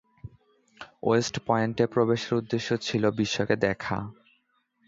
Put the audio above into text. West পয়েন্টে প্রবেশের উদ্দেশ্য ছিল "বিশ্বকে দেখা"।